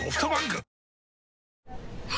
あ！